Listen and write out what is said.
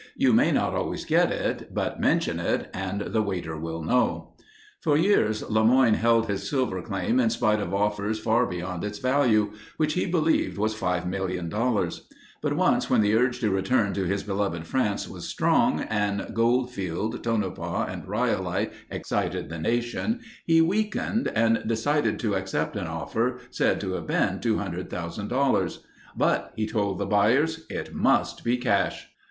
You may not always get it, but mention it and the waiter will know. For years LeMoyne held his silver claim in spite of offers far beyond its value, which he believed was $5,000,000. But once when the urge to return to his beloved France was strong and Goldfield, Tonopah, and Rhyolite excited the nation, he weakened and decided to accept an offer said to have been $200,000. "But," he told the buyers, "it must be cash."